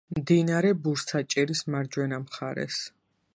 მდინარე ბურსაჭირის მარჯვენა მხარეს.